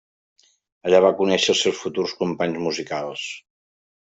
Allà va conèixer els seus futurs companys musicals.